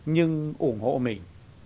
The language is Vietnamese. nhưng ủng hộ mình